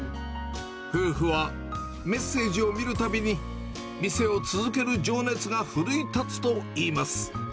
夫婦はメッセージを見るたびに、店を続ける情熱が奮い立つといいます。